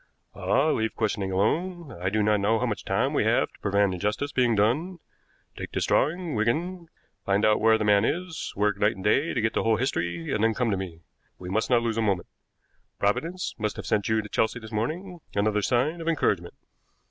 "Ah, leave questioning alone. I do not know how much time we have to prevent injustice being done. Take this drawing, Wigan, find out where the man is, work night and day to get the whole history, and then come to me. We must not lose a moment. Providence must have sent you to Chelsea this morning another sign of encouragement."